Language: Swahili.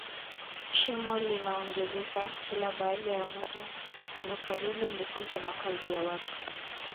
shimo linaongezeka kila baada ya muda na karibu lifikie makazi ya watu